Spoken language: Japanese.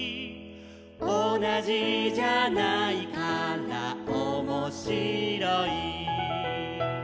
「おなじじゃないからおもしろい」